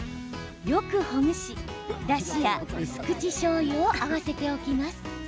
よくほぐし、だしや薄口しょうゆを合わせておきます。